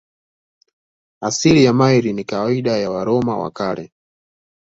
Asili ya maili ni kawaida ya Waroma wa Kale.